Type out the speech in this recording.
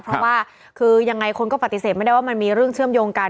เพราะว่าคือยังไงคนก็ปฏิเสธไม่ได้ว่ามันมีเรื่องเชื่อมโยงกัน